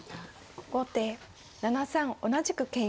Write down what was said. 後手７三同じく桂馬。